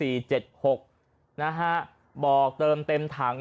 บอกเติมเต็มถัง